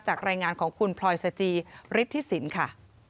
รายงานของคุณพลอยสจีฤทธิสินค่ะ